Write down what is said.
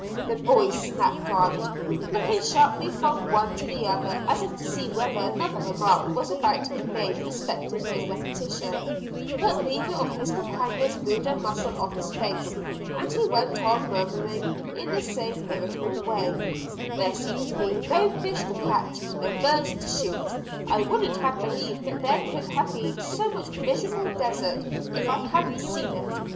the boy snapped out, looking sharply from one to the other as if to see whether another remark was about to be made respecting his repetition; but neither of his companions moved a muscle of his face, and he went on murmuring in the same irritable way "There seem to be no fish to catch, no birds to shoot. I wouldn't have believed that there could have been so much miserable desert if I hadn't seen it.